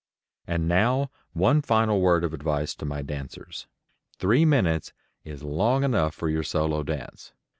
And now one final word of advice to my dancers: Three minutes is long enough for your solo dance.